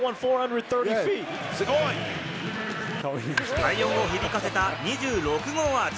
快音を響かせた２６号アーチ。